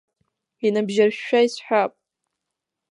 Инабжьаршәшәа исҳәап.